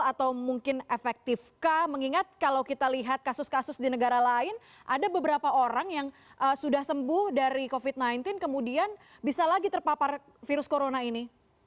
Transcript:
atau mungkin efektifkah mengingat kalau kita lihat kasus kasus di negara lain ada beberapa orang yang sudah sembuh dari covid sembilan belas kemudian bisa lagi terpapar virus corona ini